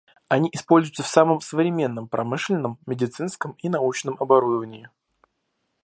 Они используются в самом современном промышленном, медицинском и научном оборудовании.